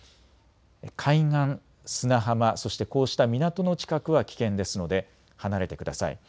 海岸、砂浜、そしてこうした港の近くは危険ですので離れてください。